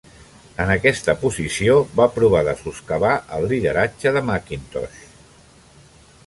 En aquesta posició va provar de soscavar el lideratge de McIntosh.